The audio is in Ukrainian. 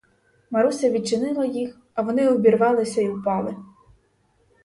Маруся відчинила їх, а вони обірвалися й упали.